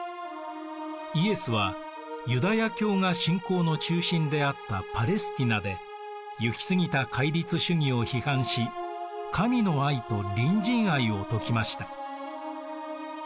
イエスはユダヤ教が信仰の中心であったパレスティナで行き過ぎた戒律主義を批判し神の愛と隣人愛を説きました。